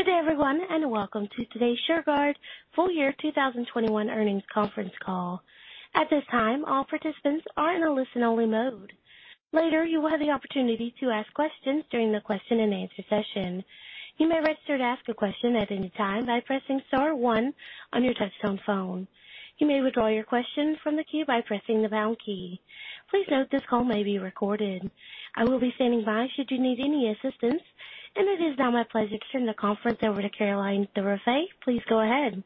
Good day everyone, and welcome to today's Shurgard full year 2021 earnings conference call. At this time, all participants are in a listen-only mode. Later, you will have the opportunity to ask questions during the question-and-answer session. You may register to ask a question at any time by pressing star one on your touch-tone phone. You may withdraw your question from the queue by pressing the pound key. Please note this call may be recorded. I will be standing by should you need any assistance. It is now my pleasure to turn the conference over to Caroline Thirifay. Please go ahead.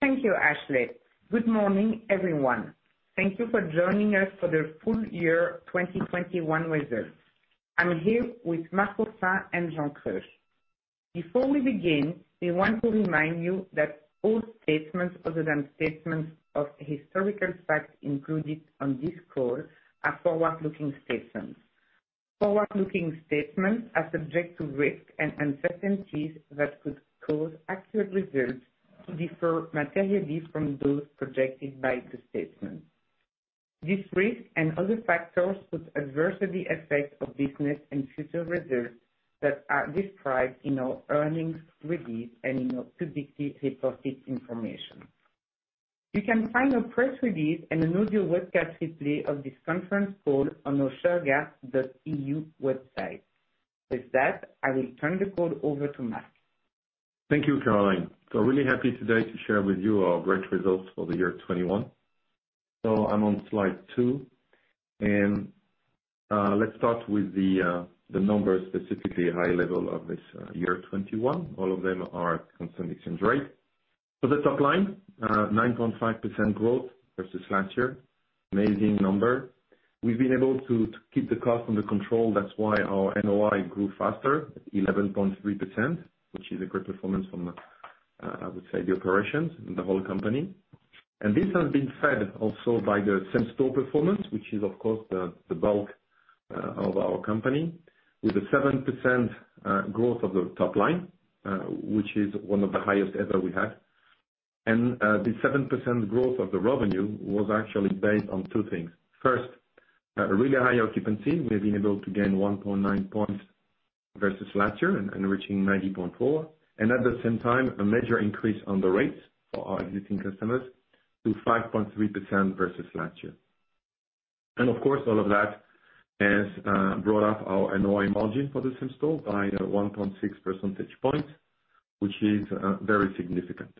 Thank you, Ashley. Good morning, everyone. Thank you for joining us for the full year 2021 results. I'm here with Marc Oursin and Jean Kreusch. Before we begin, we want to remind you that all statements other than statements of historical facts included on this call are forward-looking statements. Forward-looking statements are subject to risks and uncertainties that could cause actual results to differ materially from those projected by the statement. These risks and other factors could adversely affect our business and future results that are described in our earnings release and in our securities reported information. You can find a press release and an audio webcast replay of this conference call on our shurgard.eu website. With that, I will turn the call over to Marc. Thank you, Caroline. Really happy today to share with you our great results for the year 2021. I'm on slide two, and let's start with the numbers, specifically high level of this year 2021. All of them are at constant exchange rate. The top line, 9.5% growth versus last year. Amazing number. We've been able to keep the cost under control. That's why our NOI grew faster, 11.3%, which is a great performance from I would say the operations in the whole company. This has been fed also by the same-store performance, which is of course the bulk of our company, with a 7% growth of the top line, which is one of the highest ever we had. The 7% growth of the revenue was actually based on two things. First, a really high occupancy. We've been able to gain 1.9 points versus last year and reaching 90.4. At the same time, a major increase on the rates for our existing customers to 5.3% versus last year. Of course, all of that has brought up our NOI margin for the same-store by 1.6 percentage point, which is very significant.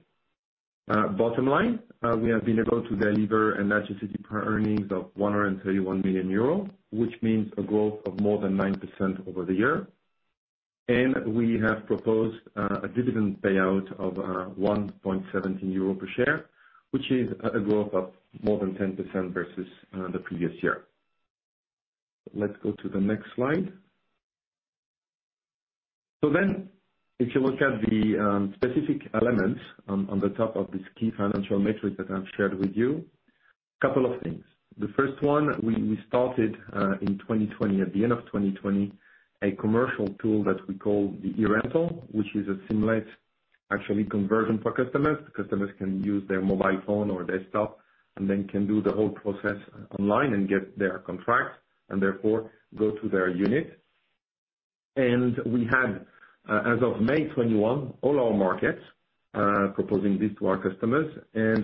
Bottom line, we have been able to deliver an adjusted EBITDA earnings of 131 million euro, which means a growth of more than 9% over the year. We have proposed a dividend payout of 1.17 euro per share, which is a growth of more than 10% versus the previous year. Let's go to the next slide. If you look at the specific elements on the top of this key financial metrics that I've shared with you, couple of things. The first one, we started in 2020, at the end of 2020, a commercial tool that we call the e-rental, which is a seamless actually conversion for customers. The customers can use their mobile phone or desktop and then can do the whole process online and get their contracts and therefore go to their unit. We had, as of May 2021, all our markets proposing this to our customers.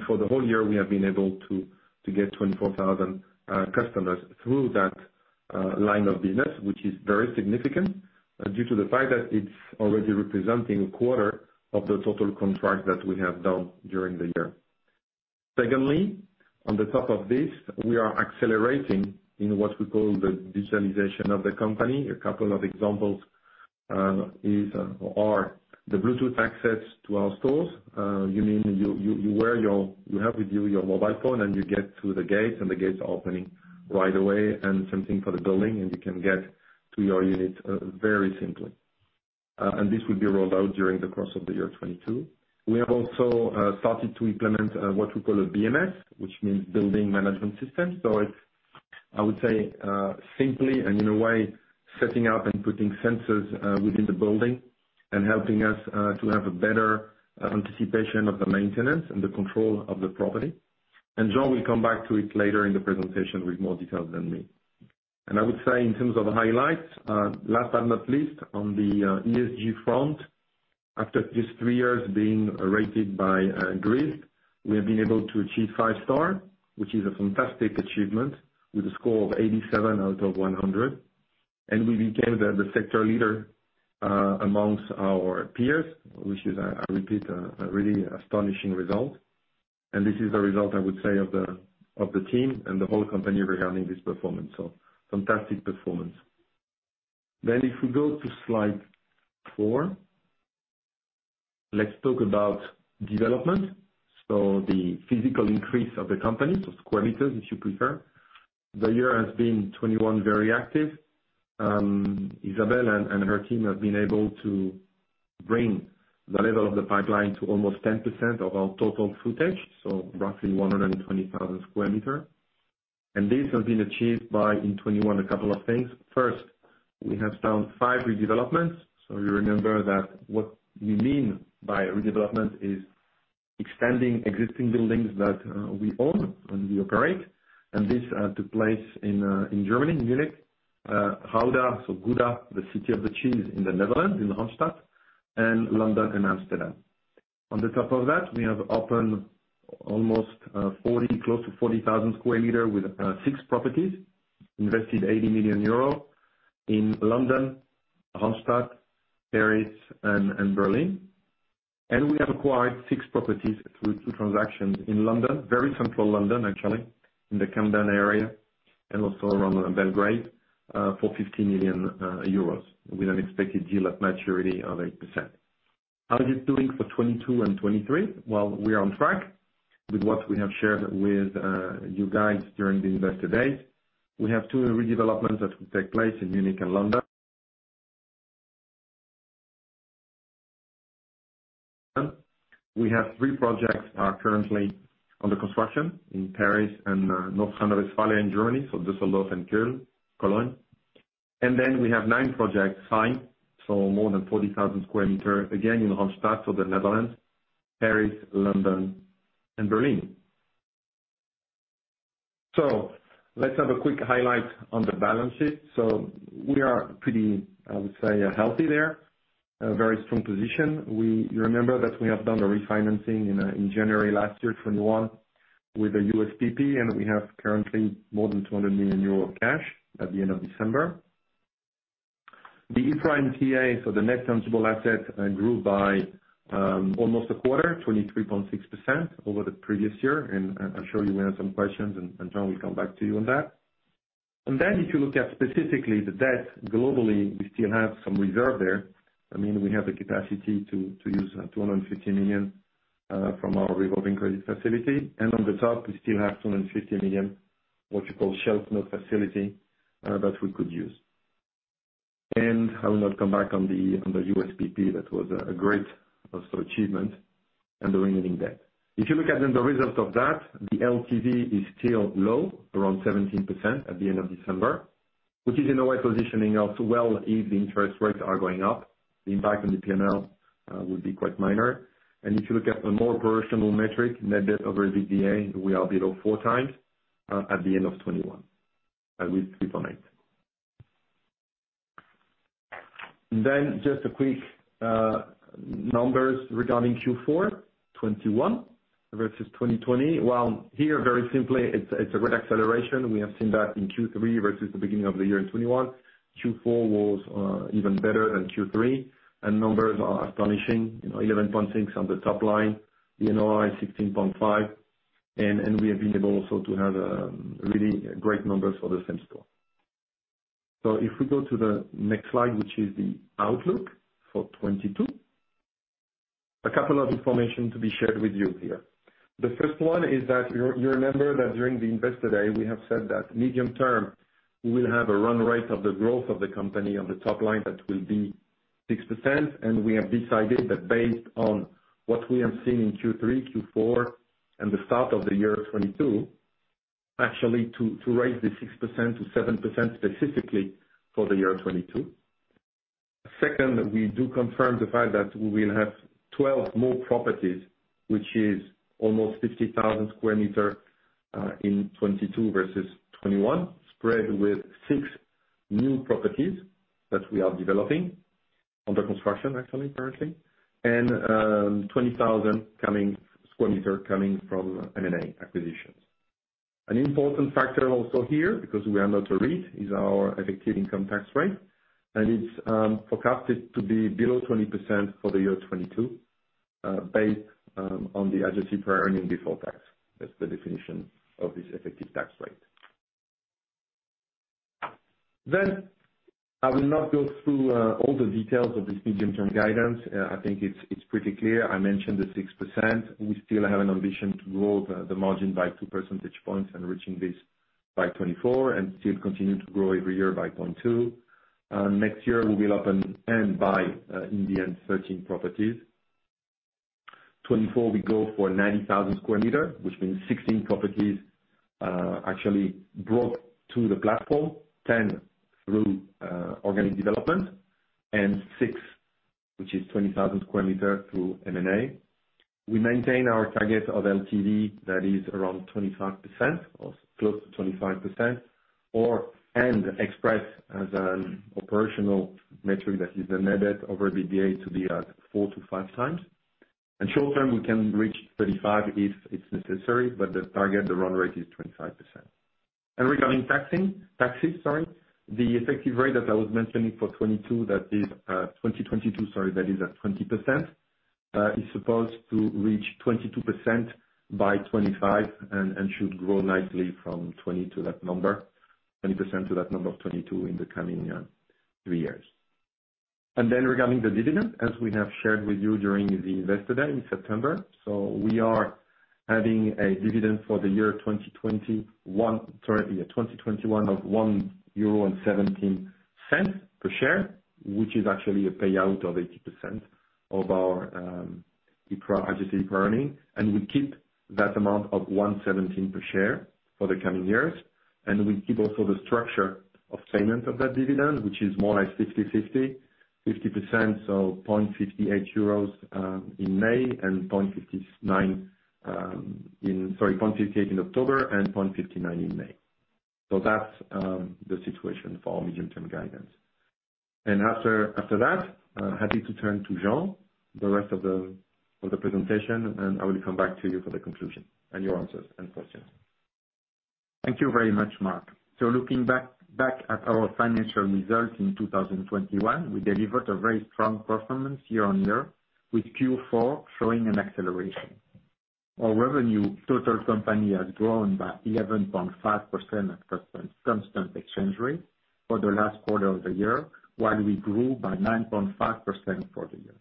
For the whole year we have been able to to get 24,000 customers through that line of business, which is very significant due to the fact that it's already representing a quarter of the total contracts that we have done during the year. Secondly, on the top of this, we are accelerating in what we call the digitalization of the company. A couple of examples are the Bluetooth access to our stores. You have with you your mobile phone and you get to the gates and the gates are opening right away and same thing for the building and you can get to your unit very simply. This will be rolled out during the course of the year 2022. We have also started to implement what we call a BMS, which means building management system. It's, I would say, simply and in a way, setting up and putting sensors within the building and helping us to have a better anticipation of the maintenance and the control of the property. Jean will come back to it later in the presentation with more details than me. I would say in terms of highlights, last but not least, on the ESG front, after these three years being rated by GRESB, we have been able to achieve five star, which is a fantastic achievement, with a score of 87 out of 100. We became the sector leader among our peers, which is a really astonishing result. This is a result, I would say, of the team and the whole company regarding this performance. Fantastic performance. If we go to slide four, let's talk about development, so the physical increase of the company, so square meters, if you prefer. The year has been 2021 very active. Isabelle and her team have been able to bring the level of the pipeline to almost 10% of our total footage, so roughly 120,000 sq m. This has been achieved by, in 2021, a couple of things. First, we have signed five redevelopments. You remember that what we mean by redevelopment is extending existing buildings that we own and we operate. This took place in Germany, in Munich, Gouda, the city of the cheese in the Netherlands, in Hoofddorp, and London and Amsterdam. On top of that, we have opened almost 40, close to 40,000 sq m with six properties, invested 80 million euro in London, Hoofddorp, Paris and Berlin. We have acquired six properties through two transactions in London, very central London actually, in the Camden area and also around Belgravia, for 50 million euros, with an expected yield at maturity of 8%. How are you doing for 2022 and 2023? Well, we are on track with what we have shared with you guys during the investor day. We have two redevelopments that will take place in Munich and London. We have three projects are currently under construction in Paris and North Rhine-Westphalia in Germany, Düsseldorf and Cologne. We have nine projects signed, more than 40,000 sq m, again in Hoofddorp, the Netherlands, Paris, London and Berlin. Let's have a quick highlight on the balance sheet. We are pretty, I would say, healthy there. A very strong position. You remember that we have done a refinancing in January last year, 2021, with a USPP, and we have currently more than 200 million euro cash at the end of December. The EPRA NTA for the net tangible assets grew by almost a quarter, 23.6% over the previous year. I'm sure you may have some questions and Jean will come back to you on that. If you look at specifically the debt globally, we still have some reserve there. I mean, we have the capacity to use 250 million from our revolving credit facility. On the top we still have 250 million, what you call shelf facility, that we could use. I will not come back on the USPP. That was also a great achievement and the remaining debt. If you look at the result of that, the LTV is still low, around 17% at the end of December, which is in a way positioning us well if the interest rates are going up. The impact on the P&L would be quite minor. If you look at a more operational metric, net debt over EBITDA, we are below 4x at the end of 2021 with 3.8x. Just a quick numbers regarding Q4 2021 versus 2020. Well, here very simply, it's a great acceleration. We have seen that in Q3 versus the beginning of the year in 2021. Q4 was even better than Q3. And numbers are astonishing. You know, 11.6% on the top line, the NOI 16.5%. And we have been able also to have really great numbers for the same store. If we go to the next slide, which is the outlook for 2022. A couple of information to be shared with you here. The first one is that you remember that during the investor day we have said that medium term we will have a run rate of the growth of the company on the top line that will be 6%. We have decided that based on what we have seen in Q3, Q4, and the start of the year 2022, actually to raise the 6%-7% specifically for the year 2022. Second, we do confirm the fact that we will have 12 more properties, which is almost 50,000 sq m in 2022 versus 2021, spread with six new properties that we are developing, under construction actually, currently. 20,000 sq m coming from M&A acquisitions. An important factor also here, because we are not a REIT, is our effective income tax rate, and it's forecasted to be below 20% for the year 2022, based on the adjusted prior earnings before tax. That's the definition of this effective tax rate. I will not go through all the details of this medium-term guidance. I think it's pretty clear. I mentioned the 6%. We still have an ambition to grow the margin by two percentage points and reaching this by 2024 and still continue to grow every year by point two. Next year we will open and buy in the end 13 properties. 2024 we go for 90,000 sq m, which means 16 properties, actually brought to the platform. 10 through organic development and six, which is 20,000 sq m, through M&A. We maintain our target of LTV that is around 25% or close to 25%, and express as an operational metric that is the net debt over EBITDA to be at 4x-5x. Short term we can reach 35% if it's necessary, but the target, the run rate is 25%. Regarding taxes, sorry, the effective rate that I was mentioning for 2022, that is at 20%, is supposed to reach 22% by 2025, and should grow nicely from 20% to that number of 22% in the coming three years. Regarding the dividend, as we have shared with you during the investor day in September. We are having a dividend for the year 2021 of 1.17 euro per share, which is actually a payout of 80% of our EPRA adjusted earnings. We keep that amount of 1.17 per share for the coming years. We keep also the structure of payment of that dividend, which is more like 50-50, 50%, so 0.58 euros in October and 0.59 in May. That's the situation for our medium-term guidance. After that, happy to turn to Jean for the rest of the presentation, and I will come back to you for the conclusion and your answers and questions. Thank you very much, Marc. Looking back at our financial results in 2021, we delivered a very strong performance year-over-year, with Q4 showing an acceleration. Our revenue, total company has grown by 11.5% at constant exchange rate for the last quarter of the year, while we grew by 9.5% for the year.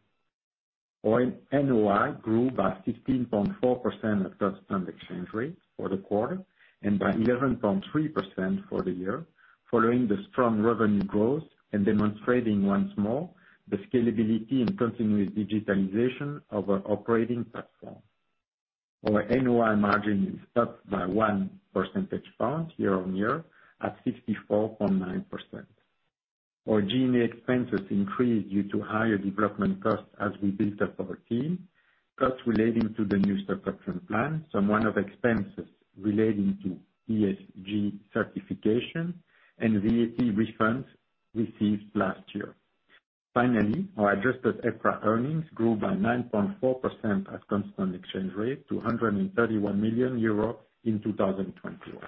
Our NOI grew by 16.4% at constant exchange rate for the quarter and by 11.3% for the year, following the strong revenue growth and demonstrating once more the scalability and continuous digitalization of our operating platform. Our NOI margin is up by 1 percentage point year-over-year at 64.9%. Our G&A expenses increased due to higher development costs as we built up our team, costs relating to the new stock option plan, some one-off expenses relating to ESG certification, and VAT refunds received last year. Finally, our adjusted EPRA earnings grew by 9.4% at constant exchange rate to 131 million euro in 2021.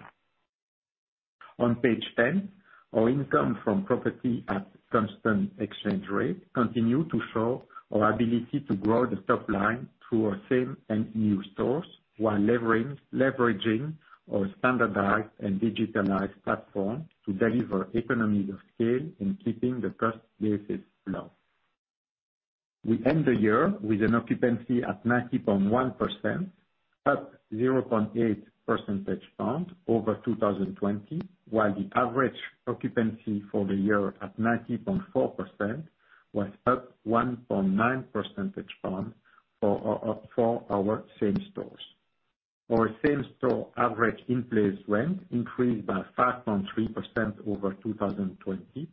On page 10, our income from property at constant exchange rate continue to show our ability to grow the top line through our same and new stores while leveraging our standardized and digitalized platform to deliver economies of scale in keeping the cost basis low. We end the year with an occupancy at 90.1%, up 0.8 percentage point over 2020, while the average occupancy for the year at 90.4% was up 1.9 percentage point for our same stores. Our same-store average in-place rent increased by 5.3% over 2020,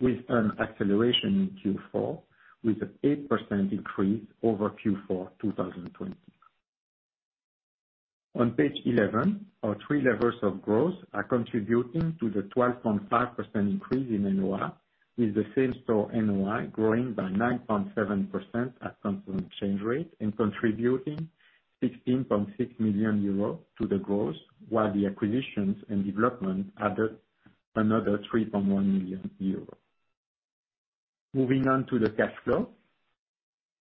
with an acceleration in Q4 with an 8% increase over Q4 2020. On page 11, our three levers of growth are contributing to the 12.5% increase in NOI, with the same-store NOI growing by 9.7% at constant exchange rate and contributing 16.6 million euros to the growth, while the acquisitions and development added another 3.1 million euros. Moving on to the cash flow,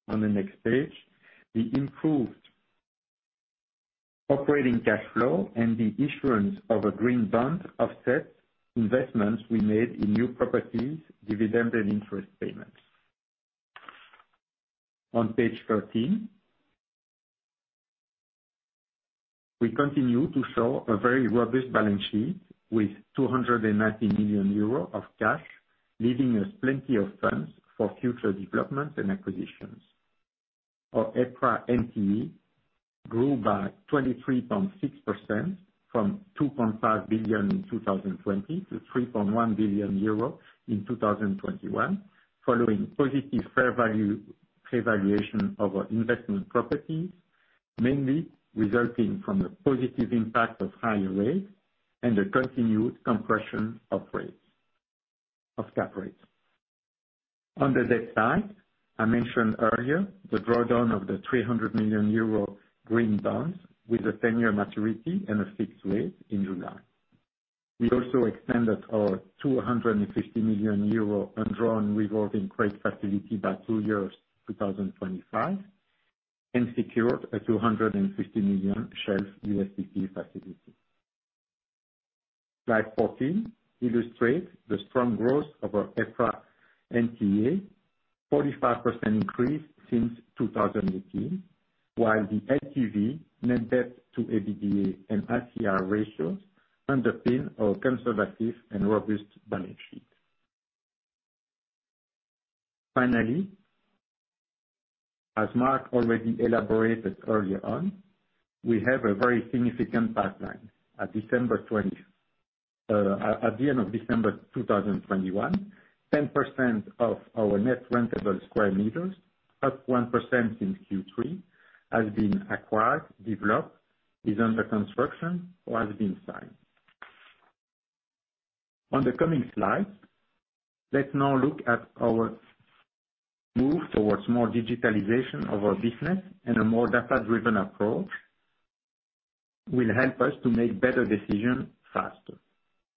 on the next page, the improved operating cash flow and the issuance of a green bond offset investments we made in new properties, dividend and interest payments. On page 13, we continue to show a very robust balance sheet with 290 million euros of cash, leaving us plenty of funds for future developments and acquisitions. Our EPRA NTA grew by 23.6% from 2.5 billion in 2020 to 3.1 billion euro in 2021, following positive fair value revaluation of our investment properties, mainly resulting from the positive impact of higher rents and the continued compression of rates, of cap rates. On the debt side, I mentioned earlier the drawdown of the 300 million euro green bonds with a 10-year maturity and a fixed rate in July. We also extended our 250 million euro undrawn revolving credit facility by two years to 2025 and secured a 250 million shelf USPP facility. Slide 14 illustrates the strong growth of our EPRA NTA, 45% increase since 2018, while the LTV net debt to EBITDA and ICR ratios underpin our conservative and robust balance sheet. Finally, as Marc already elaborated earlier on, we have a very significant pipeline. At the end of December 2021, 10% of our net rentable sq m, up 1% since Q3, has been acquired, developed, is under construction, or has been signed. On the coming slides, let's now look at our move towards more digitalization of our business and a more data-driven approach will help us to make better decisions faster.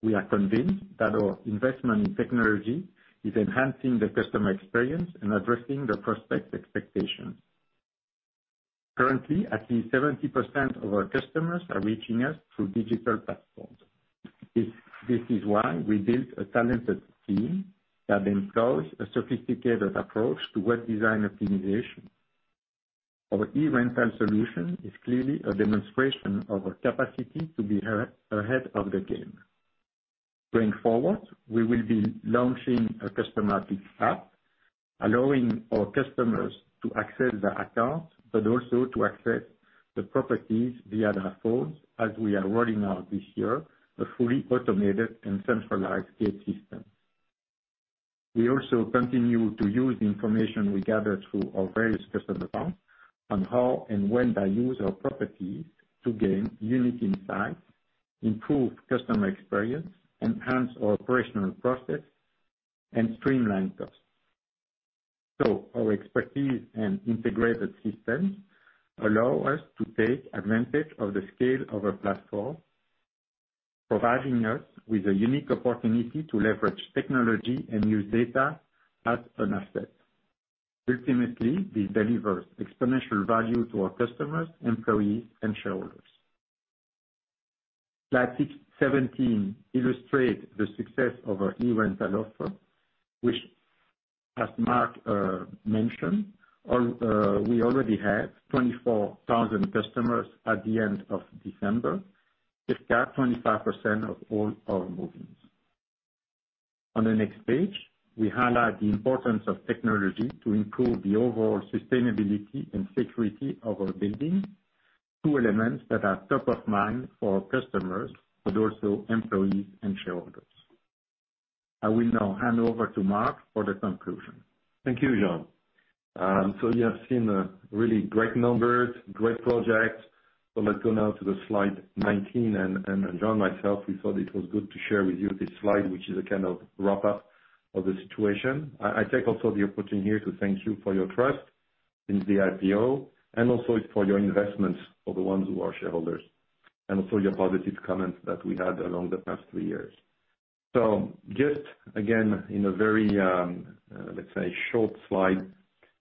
We are convinced that our investment in technology is enhancing the customer experience and addressing the prospect's expectations. Currently, at least 70% of our customers are reaching us through digital platforms. This is why we built a talented team that employs a sophisticated approach to web design optimization. Our e-rental solution is clearly a demonstration of our capacity to be ahead of the game. Going forward, we will be launching a customer pick app, allowing our customers to access their accounts, but also to access the properties via their phones as we are rolling out this year a fully automated and centralized gate system. We also continue to use the information we gather through our various customer accounts on how and when they use our properties to gain unique insights, improve customer experience, enhance our operational process, and streamline costs. Our expertise and integrated systems allow us to take advantage of the scale of our platform, providing us with a unique opportunity to leverage technology and use data as an asset. Ultimately, this delivers exponential value to our customers, employees and shareholders. Slides 6-17 illustrate the success of our e-rental offer, which as Marc mentioned, we already have 24,000 customers at the end of December. It got 25% of all our movings. On the next page, we highlight the importance of technology to improve the overall sustainability and security of our building. Two elements that are top of mind for our customers, but also employees and shareholders. I will now hand over to Marc for the conclusion. Thank you, Jean. You have seen really great numbers, great projects. Let's go now to the slide 19 and Jean, myself, we thought it was good to share with you this slide, which is a kind of wrap up of the situation. I take also the opportunity here to thank you for your trust in the IPO and also for your investments, for the ones who are shareholders, and also your positive comments that we had along the past three years. Just again, in a very, let's say short slide,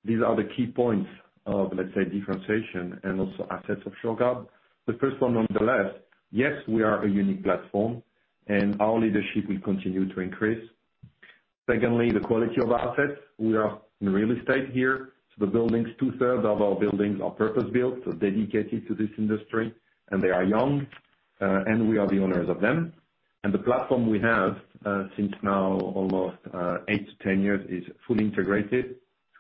these are the key points of, let's say, differentiation and also assets of Shurgard. The first one, nonetheless, yes, we are a unique platform and our leadership will continue to increase. Secondly, the quality of assets. We are in real estate here. The buildings, two-thirds of our buildings are purpose-built, so dedicated to this industry, and they are young, and we are the owners of them. The platform we have, since now almost 8-10 years, is fully integrated,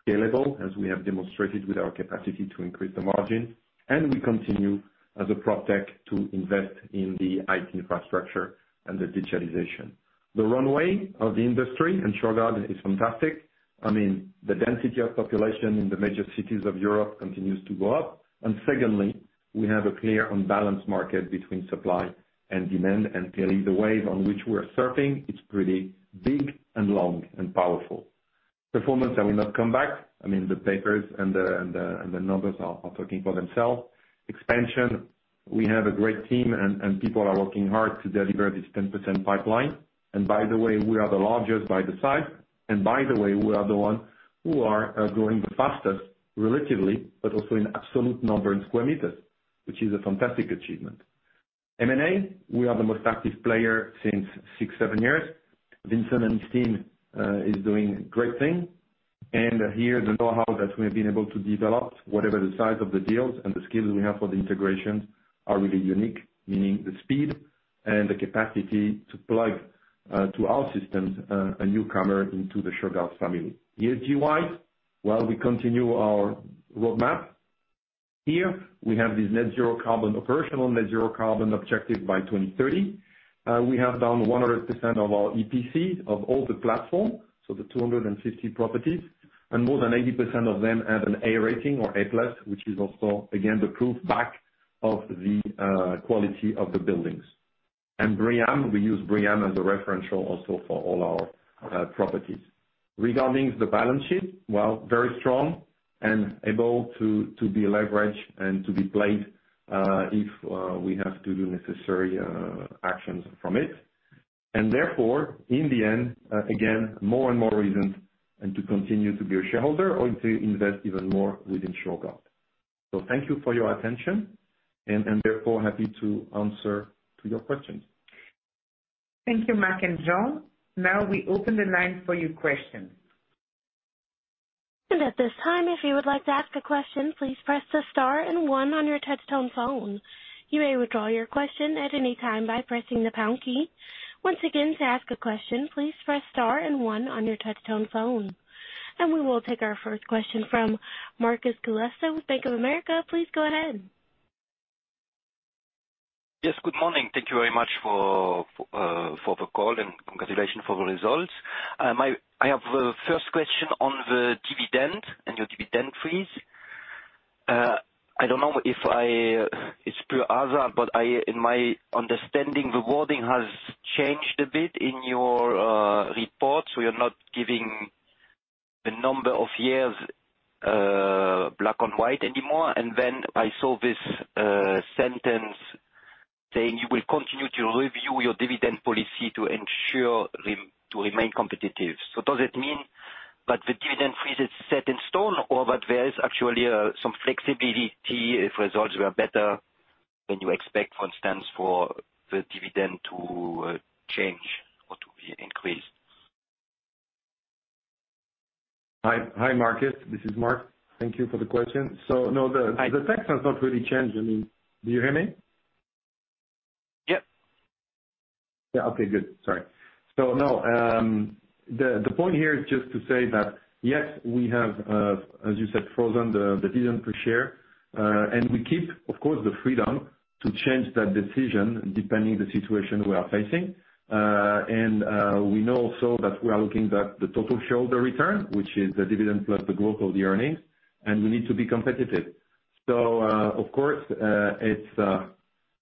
scalable, as we have demonstrated with our capacity to increase the margin. We continue as a proptech to invest in the IT infrastructure and the digitalization. The runway of the industry in Shurgard is fantastic. I mean, the density of population in the major cities of Europe continues to go up. Secondly, we have a clear and balanced market between supply and demand. Clearly the wave on which we are surfing, it's pretty big and long and powerful. Performance, I will not come back. I mean, the papers and the numbers are talking for themselves. Expansion, we have a great team and people are working hard to deliver this 10% pipeline. By the way, we are the largest by the size, and by the way, we are the one who are growing the fastest relatively, but also in absolute number in square meters, which is a fantastic achievement. M&A, we are the most active player since 6-7 years. Vincent and his team is doing great thing. Here the know-how that we've been able to develop, whatever the size of the deals and the skills we have for the integrations are really unique, meaning the speed and the capacity to plug into our systems a newcomer into the Shurgard family. ESG-wise, while we continue our roadmap. Here we have this net zero carbon operational, net zero carbon objective by 2030. We have done 100% of our EPC of all the portfolio, so the 250 properties. More than 80% of them have an A rating or A+, which is also, again, the proof of the quality of the buildings. BREEAM, we use BREEAM as a reference also for all our properties. Regarding the balance sheet, very strong and able to be leveraged and to be deployed, if we have to do necessary actions with it. Therefore, in the end, again, more and more reasons to continue to be a shareholder or to invest even more within Shurgard. Thank you for your attention and therefore happy to answer your questions. Thank you, Marc and Jean. Now we open the line for your questions. We will take our first question from Marcus Golesso with Bank of America. Please go ahead. Yes, good morning. Thank you very much for the call and congratulations for the results. I have the first question on the dividend and your dividend freeze. I don't know if it's pure hazard, but in my understanding, the wording has changed a bit in your report, so you're not giving the number of years black on white anymore. I saw this sentence saying you will continue to review your dividend policy to ensure to remain competitive. Does it mean that the dividend freeze is set in stone or that there is actually some flexibility if results were better than you expect, for instance, for the dividend to change or to be increased? Hi, Marcus. This is Marc. Thank you for the question. No, the fact has not really changed. I mean, do you hear me? Yep. Yeah. Okay, good. Sorry. No, the point here is just to say that yes, we have, as you said, frozen the dividend per share, and we keep, of course, the freedom to change that decision depending the situation we are facing. We know also that we are looking at the total shareholder return, which is the dividend plus the growth of the earnings, and we need to be competitive. Of course,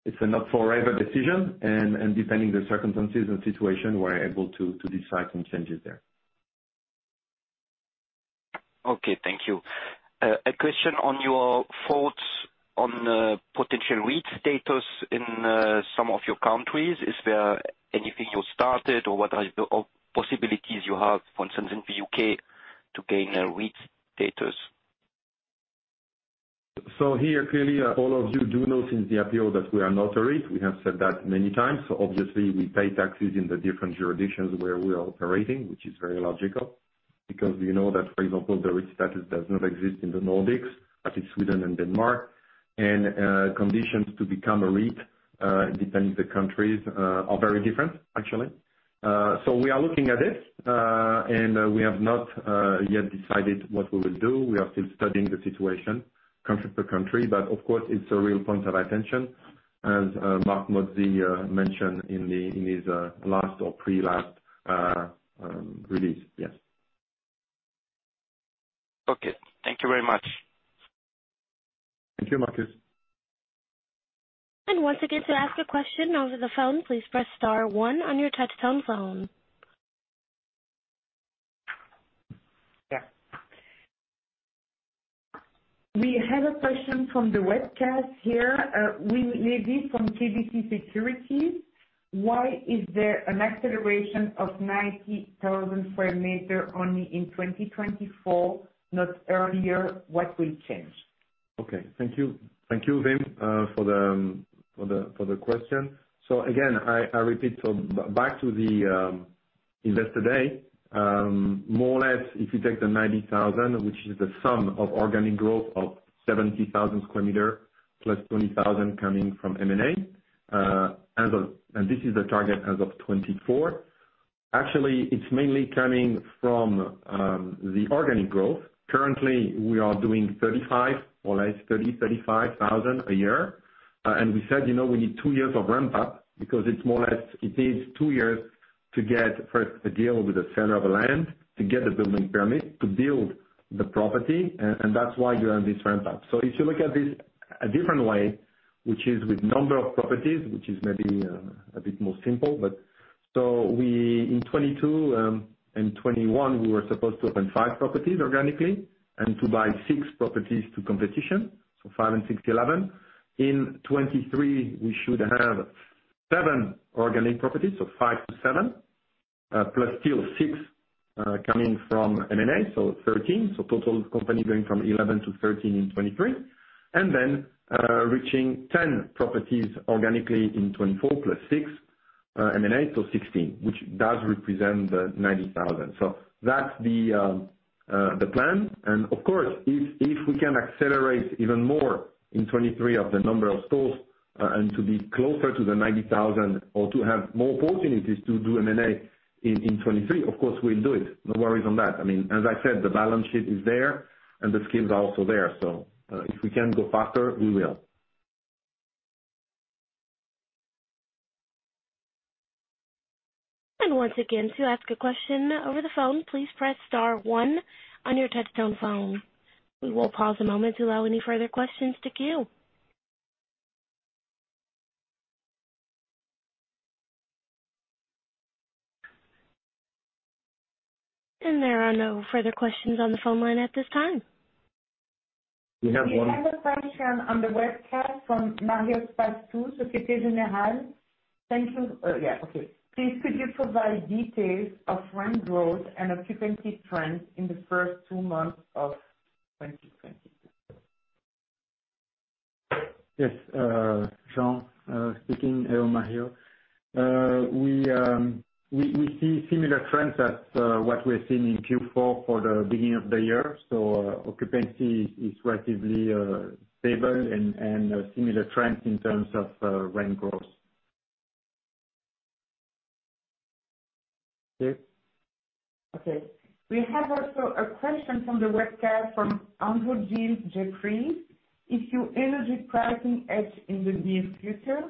it's a not forever decision, and depending the circumstances and situation, we're able to decide some changes there. Okay, thank you. A question on your thoughts on potential REIT status in some of your countries. Is there anything you started or what are the possibilities you have for instance in the U.K. to gain a REIT status? Clearly, all of you do know since the IPO that we are not a REIT. We have said that many times. Obviously we pay taxes in the different jurisdictions where we are operating, which is very logical because we know that, for example, the REIT status does not exist in the Nordics, that is Sweden and Denmark. Conditions to become a REIT depend on the countries are very different actually. We are looking at it and we have not yet decided what we will do. We are still studying the situation country per country, but of course it's a real point of attention as Marc Oursin mentioned in his last or pre-last release. Yes. Okay. Thank you very much. Thank you, Marcus. And once again, to ask a question over the phone, please press star one on your touchtone phone. Yeah. We have a question from the webcast here. Maybe from KBC Securities. Why is there an acceleration of 90,000 sq m only in 2024, not earlier? What will change? Okay. Thank you, Line, for the question. Again, I repeat. Back to the Investor Day, more or less, if you take the 90,000 sq m, which is the sum of organic growth of 70,000 sq m plus 20,000 sq m coming from M&A. This is the target as of 2024. Actually, it's mainly coming from the organic growth. Currently, we are doing, more or less, 35,000 sq m a year. And we said, you know, we need two years of ramp up because it's more or less it takes two years to get first a deal with the seller of a land, to get the building permit, to build the property, and that's why you have this ramp up. If you look at this a different way, which is with number of properties, which is maybe a bit more simple. We in 2022 and 2021 were supposed to open five properties organically and to buy six properties from competition. Five and six, 11. In 2023, we should have seven organic properties. 5-7 plus still six coming from M&A, so 13. Total company going from 11-13 in 2023. Then reaching 10 properties organically in 2024, plus six M&A, so 16, which does represent the 90,000 sq m. That's the plan. Of course, if we can accelerate even more in 2023 of the number of stores, and to be closer to the 90,000 sq m or to have more opportunities to do M&A in 2023, of course, we'll do it. No worries on that. I mean, as I said, the balance sheet is there, and the skills are also there. If we can go faster, we will. And once again, to ask a question over the phone, please press star one on your touchtone phone. We will pause a moment to allow any further questions to queue. And there are no further questions on the phone line at this time. We have one. We have a question on the webcast from Marios Pastou, Société Générale. Thank you. Please, could you provide details of rent growth and occupancy trends in the first two months of 2022? Yes. Jean speaking. Hello, Mario. We see similar trends as what we're seeing in Q4 for the beginning of the year. Occupancy is relatively stable and similar trends in terms of rent growth. Okay. Okay. We have also a question from the webcast from Andrew Gill, Jefferies. If your energy pricing hedge in the near future,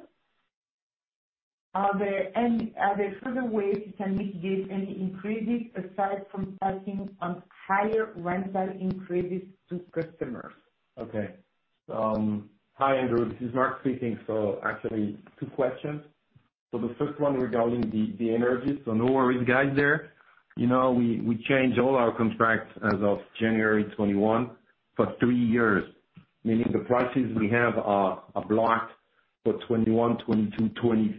are there further ways you can mitigate any increases aside from passing on higher rental increases to customers? Okay. Hi, Andrew. This is Marc speaking. Actually, two questions. The first one regarding the energy, so no worries guys there. You know, we changed all our contracts as of January 2021 for three years, meaning the prices we have are blocked for 2021, 2022,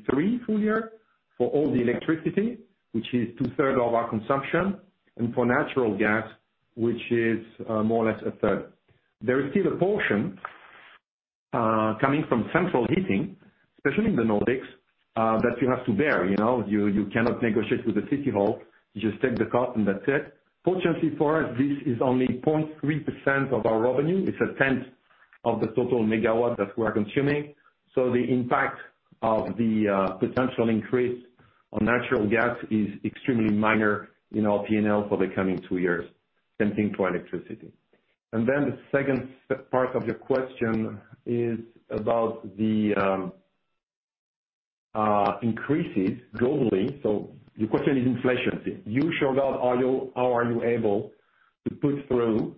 2023 full year for all the electricity, which is two-thirds of our consumption, and for natural gas, which is more or less a third. There is still a portion coming from central heating, especially in the Nordics, that you have to bear, you know. You cannot negotiate with the city hall. You just take the cut and that's it. Fortunately for us, this is only 0.3% of our revenue. It's a tenth of the total megawatt that we are consuming. The impact of the potential increase on natural gas is extremely minor in our P&L for the coming two years. Same thing for electricity. The second part of your question is about the increases globally. Your question is inflation. How are you able to put through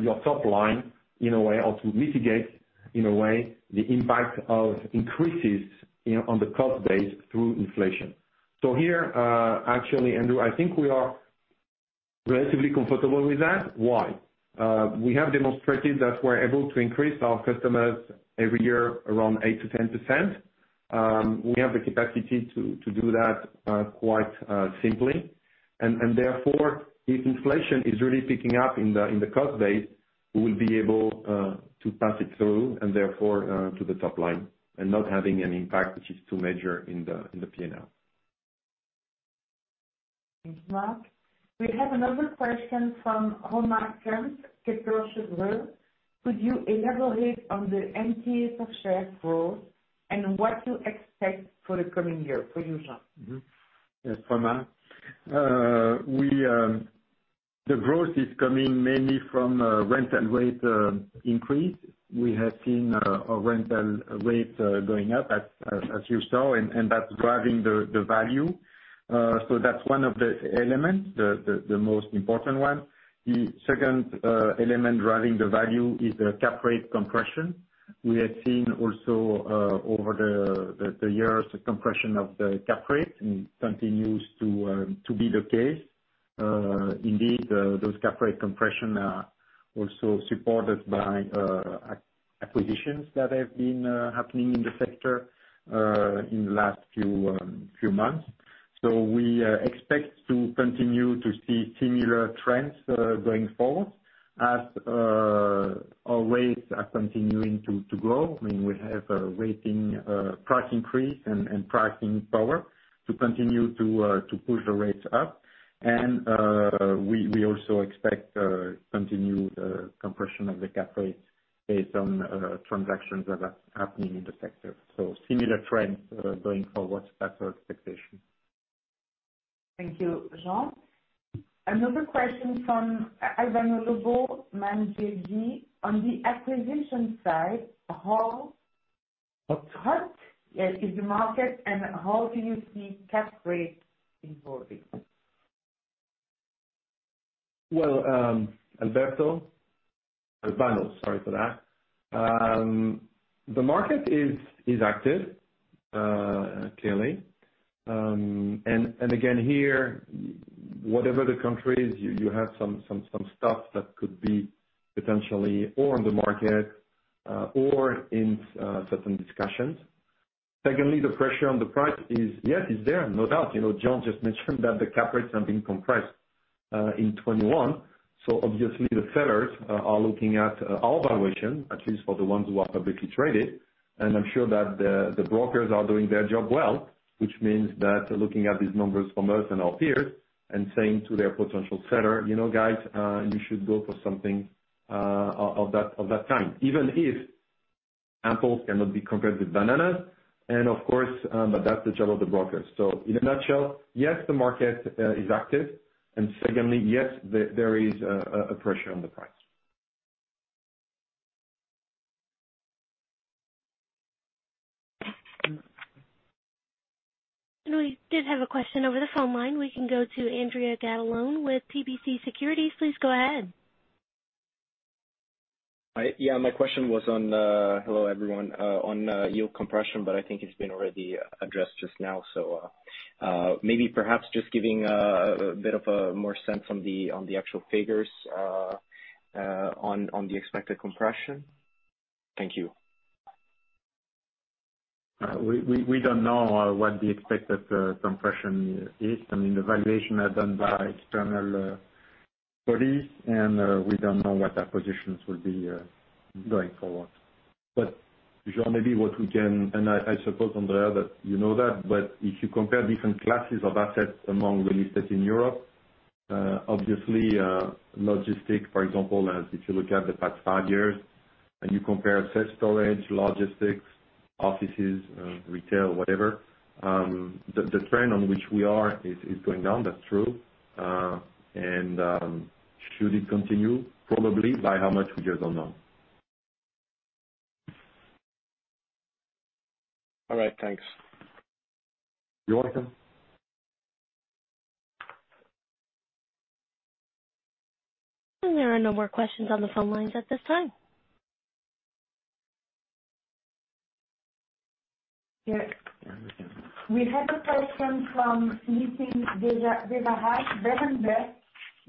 your top line in a way or to mitigate in a way the impact of increases on the cost base through inflation? Here, actually, Andrew, I think we are relatively comfortable with that. Why? We have demonstrated that we're able to increase our customers every year around 8%-10%. We have the capacity to do that quite simply. Therefore, if inflation is really picking up in the cost base, we will be able to pass it through, and therefore, to the top line and not having an impact which is too major in the P&L. Thanks, Marc. We have another question from Frédéric Renard, Kepler Cheuvreux. Could you elaborate on the NTA per share growth and what you expect for the coming year? For you, Jean. Yes, Frédéric. The growth is coming mainly from rental rate increase. We have seen our rental rates going up as you saw, and that's driving the value. That's one of the elements, the most important one. The second element driving the value is the cap rate compression. We have seen also over the years the compression of the cap rate and continues to be the case. Indeed, those cap rate compression are also supported by acquisitions that have been happening in the sector in the last few months. We expect to continue to see similar trends going forward as our rates are continuing to grow. I mean, we have a rating, price increase and pricing power to continue to push the rates up. We also expect continued compression of the cap rate based on transactions that are happening in the sector. Similar trends going forward. That's our expectation. Thank you, Jean. Another question from Alberto Lobo, Bankhaus Lampe, on the acquisition side, how hot, yeah, is the market, and how do you see cap rate evolving? Well, Alberto, sorry for that. The market is active, clearly. And again, here, whatever the countries, you have some stuff that could be potentially on the market or in certain discussions. Secondly, the pressure on the price is, yes, it's there, no doubt. You know, Jean just mentioned that the cap rates have been compressed in 2021. Obviously the sellers are looking at our valuation, at least for the ones who are publicly traded. I'm sure that the brokers are doing their job well, which means that they're looking at these numbers from us and our peers and saying to their potential seller, "You know, guys, you should go for something of that time." Even if apples cannot be compared with bananas and of course, but that's the job of the brokers. In a nutshell, yes, the market is active. Secondly, yes, there is a pressure on the price. We did have a question over the phone line. We can go to Andrea Catalano with PDC Securities. Please go ahead. Yeah, my question was on yield compression, but I think it's been already addressed just now. Maybe perhaps just giving a bit of a more sense on the actual figures on the expected compression. Thank you. We don't know what the expected compression is. I mean, the valuations are done by external parties, and we don't know what acquisitions will be going forward. Jean, maybe what we can, and I suppose, Andrea, that you know that, but if you compare different classes of assets among real estate in Europe, obviously, logistics, for example, if you look at the past five years and you compare self-storage, logistics, offices, retail, whatever, the trend on which we are is going down. That's true. Should it continue? Probably. By how much? We just don't know. All right, thanks. You're welcome. There are no more questions on the phone lines at this time. Yeah. We have a question from Nathan de Varjas, Berenberg.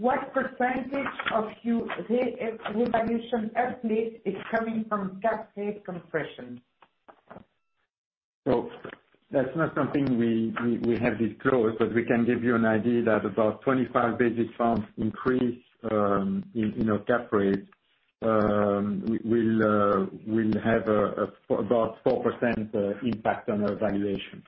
What percentage of your revaluation at least is coming from cap rate compression? That's not something we have disclosed, but we can give you an idea that about 25 basis points increase in, you know, cap rate will have about 4% impact on our valuation.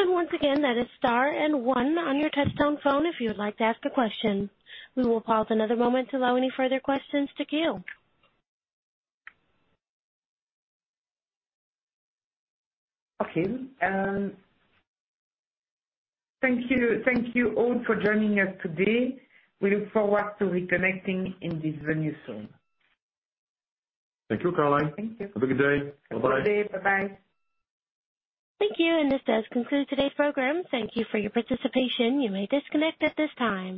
Once again, that is star and one on your touchtone phone if you would like to ask a question. We will pause another moment to allow any further questions to queue. Okay. Thank you. Thank you all for joining us today. We look forward to reconnecting in this venue soon. Thank you, Caroline. Thank you. Have a good day. Bye-bye. Have a good day. Bye-bye. Thank you. This does conclude today's program. Thank you for your participation. You may disconnect at this time.